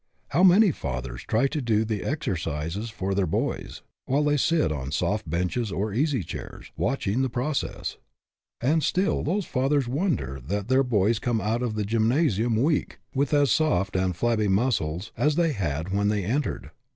How many fathers try to do the exer cises for their boys, while they sit on soft benches or easy chairs, watching the process! And still those fathers wonder that their boys come out of the gymnasium weak, with as soft and flabby muscles as they had when they entered.